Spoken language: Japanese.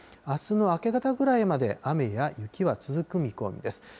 あすの明け方ぐらいまで、雨や雪は続く見込みです。